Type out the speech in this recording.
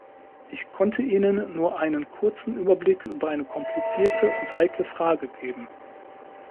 Ich konnte Ihnen nur einen kurzen Überblick über eine komplizierte und heikle Frage geben.